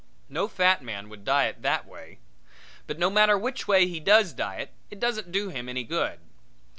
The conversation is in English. No fat man would diet that way; but no matter which way he does diet it doesn't do him any good.